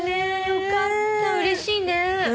よかったうれしいね。